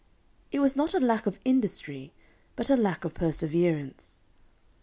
It was not a lack of industry, but a lack of perseverance.